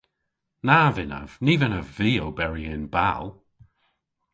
Na vynnav. Ny vynnav vy oberi y'n bal.